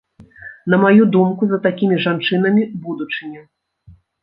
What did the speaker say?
На маю думку, за такімі жанчынамі будучыня.